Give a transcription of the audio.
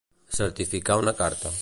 Certificar una carta.